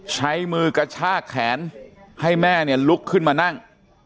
ใช้มือกระชากแขนให้แม่เนี่ยลุกขึ้นมานั่ง